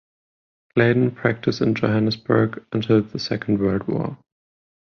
Clayden practiced in Johannesburg until the Second World War.